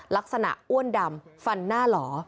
ลักษณะอ้วนดำฟันหน้าหลอ